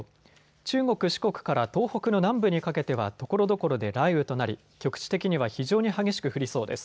中国・四国から東北の南部にかけてはところどころで雷雨となり、局地的には非常に激しく降りそうです。